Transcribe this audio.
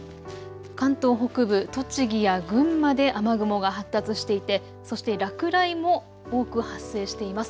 関東北部、栃木や群馬で雨雲が発達していてそして落雷も多く発生しています。